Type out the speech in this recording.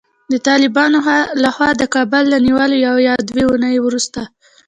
د طالبانو له خوا د کابل له نیولو یوه یا دوې اوونۍ وروسته